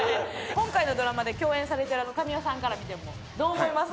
今回のドラマで共演されてる神尾さんから見てもどう思います？